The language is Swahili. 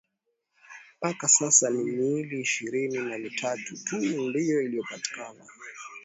mpaka sasa ni miili ishirini na mitatu tu ndio iliyopatikana